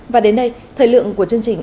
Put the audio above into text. và đến đây thời lượng của chương trình